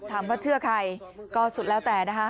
ถามเชื่อใครก็สุดแล้วแต่